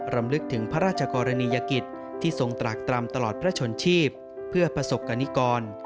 รำลึกถึงพระราชกรณียกิจที่ทรงตรากตรำตลอดพระชนชีพเพื่อประสบกรณิกร